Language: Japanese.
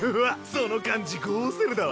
その感じゴウセルだわ。